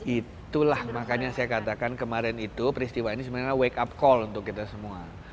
itulah makanya saya katakan kemarin itu peristiwa ini sebenarnya wake up call untuk kita semua